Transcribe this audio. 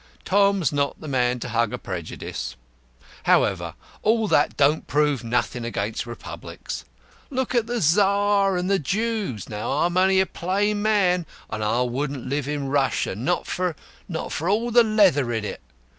Tom's not the man to hug a prejudice. However, all that don't prove nothing against Republics. Look at the Czar and the Jews. I'm only a plain man, but I wouldn't live in Russia not for not for all the leather in it!